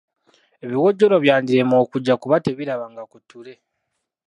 Ebiwojjolo byandirema okujja kubanga tebirabanga ku ttule.